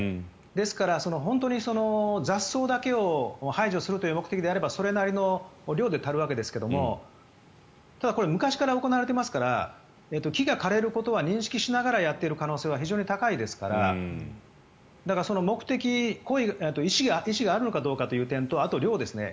ですから、本当に雑草だけを排除するという目的であればそれなりの量で足るわけですがただ、これ昔から行われていますから木が枯れることは認識しながらやっている可能性は非常に高いですからだから意思があるのかどうかという点とあと量ですね。